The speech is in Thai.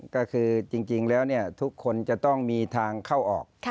ก็คือจริงแล้วทุกคนจะต้องมีทางเข้าออก